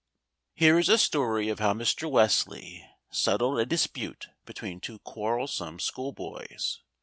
HERE is a story of how Mr. Wesley settled a dispute between two quarrelsome school boys.